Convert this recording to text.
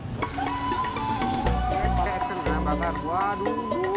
sate kiri sate kiri apa bakar waduh